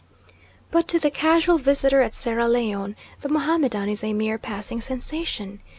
But to the casual visitor at Sierra Leone the Mohammedan is a mere passing sensation.